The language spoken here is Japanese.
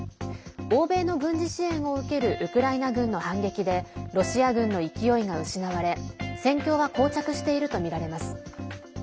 欧米の軍事支援を受けるウクライナ軍の反撃でロシア軍の勢いが失われ、戦況はこう着しているとみられます。